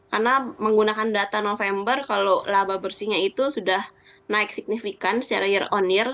karena menggunakan data november kalau laba bersihnya itu sudah naik signifikan secara year on year